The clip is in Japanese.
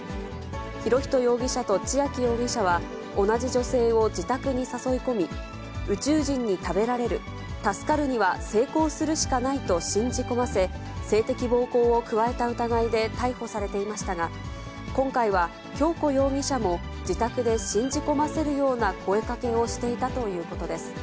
博仁容疑者と千秋容疑者は、同じ女性を自宅に誘い込み、宇宙人に食べられる、助かるには性交するしかないと信じ込ませ、性的暴行を加えた疑いで逮捕されていましたが、今回は、恭子容疑者も自宅で信じ込ませるような声かけをしていたということです。